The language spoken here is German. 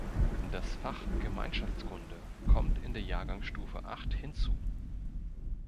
Das Fach Gemeinschaftskunde kommt in der Jahrgangsstufe acht hinzu.